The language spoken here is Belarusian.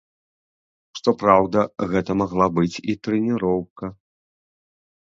Што праўда, гэта магла быць і трэніроўка.